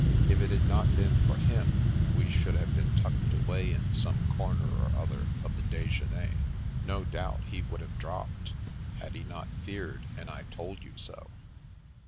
If it had not been for him, we should all have been tucked away in some comer or other of the " Dejeuner." No doubt he would have dropped, had he not feared an " I told you so."